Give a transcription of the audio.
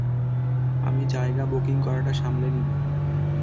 আমি জায়গা বুকিং করাটা সামলে নিবো।